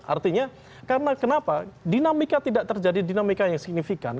artinya karena kenapa dinamika tidak terjadi dinamika yang signifikan